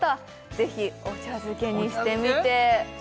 ぜひお茶漬けにしてみてお茶漬け？